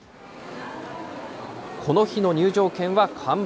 この日の入場券は完売。